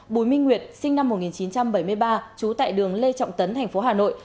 bùi minh nguyệt sinh năm một nghìn chín trăm bảy mươi ba trú tại đường lê trọng tấn thành phố hà nội